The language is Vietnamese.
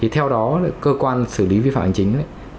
theo đó cơ quan xử lý vi phạm hành chính